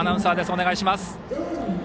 お願いします。